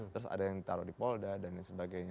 terus ada yang ditaruh di polda dan lain sebagainya